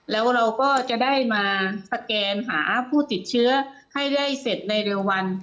แล้วเราก็จะได้มาสแกนหาผู้ติดเชื้อให้ได้เสร็จในเร็ววัน